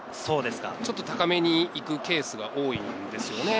ちょっと高めに行くケースが多いんですよね。